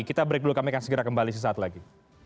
kita break dulu kami akan segera kembali sesaat lagi